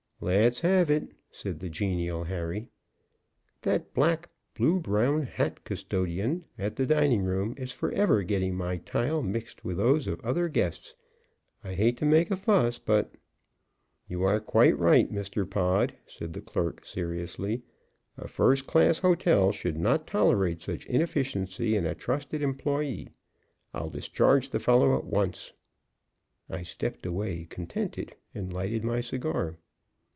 "Let's have it," said the genial Harry. "That black, blue brown hat custodian at the dining room is forever getting my tile mixed with those of other guests. I hate to make a fuss, but " "You are quite right, Mr. Pod," said the clerk, seriously, "A first class hotel should not tolerate such inefficiency in a trusted employee. I'll discharge the fellow at once." I stepped away, contented, and lighted my cigar.